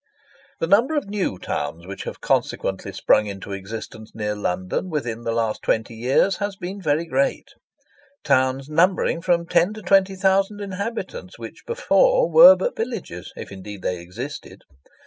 The number of new towns which have consequently sprung into existence near London within the last twenty years has been very great; towns numbering from ten to twenty thousand inhabitants, which before were but villages,—if, indeed, they existed.